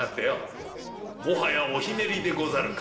「もはやおひねりでござるか？」。